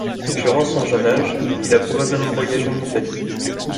Durant son jeune âge, il a probablement voyagé en Italie.